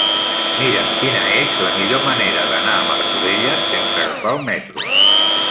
Mira'm quina és la millor manera d'anar a Martorelles sense agafar el metro.